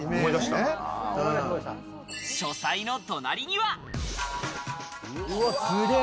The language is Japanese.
書斎の隣には。